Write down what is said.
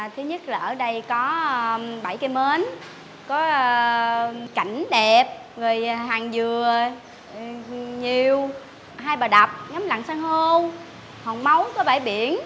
thứ nhất là ở đây có bãi cây mến có cảnh đẹp hàng dừa nhiều hai bờ đập ngắm lặng sang hô hòn máu có bãi biển